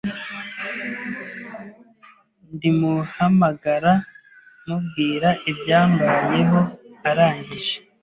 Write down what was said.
ndmuhamagara mubwira ibyambayeho arangije